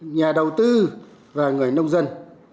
nhà đầu tư và người nông dân